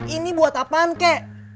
ini buat apaan kek